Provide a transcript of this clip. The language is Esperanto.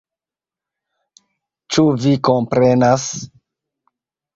Ĉu Vi komprenas?